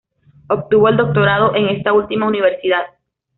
Obtuvo el doctorado en esta última universidad.